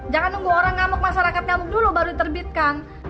jangan nunggu orang ngamuk masyarakat ngamuk dulu baru diterbitkan